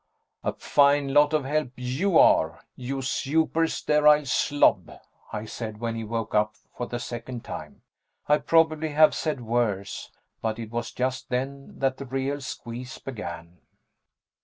"A fine lot of help you are, you super sterile slob," I said when he woke up for the second time. I'd probably have said worse, but it was just then that the real squeeze began.